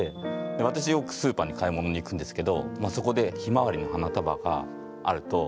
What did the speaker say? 私よくスーパーに買い物に行くんですけどそこでひまわりの花束があるとついつい買ってしまって